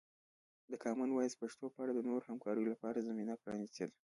د کامن وایس پښتو په اړه د نورو همکاریو لپاره زمینه پرانیستې ده.